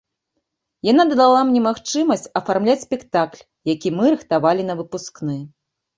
Яна дала мне магчымасць афармляць спектакль, які мы рыхтавалі на выпускны.